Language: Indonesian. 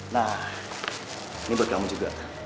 nah ini buat kamu juga